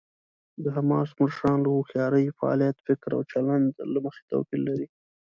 د حماس مشران له هوښیارۍ، فعالیت، فکر او چلند له مخې توپیر لري.